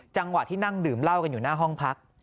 จังหวะที่นั่งดื่มเหล้ากันอยู่หน้าห้องพัก